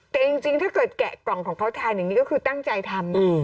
แต่จริงถ้าเกิดแกะกล่องของเขาทานอย่างนี้ก็คือตั้งใจทำนะ